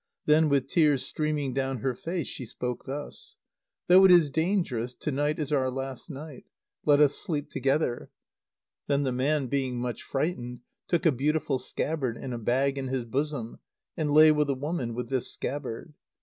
Then, with tears streaming down her face, she spoke thus; "Though it is dangerous, to night is our last night. Let us sleep together!" Then the man, being much frightened, took a beautiful scabbard in a bag in his bosom, and lay with the woman with this scabbard.